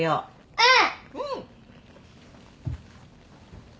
うん。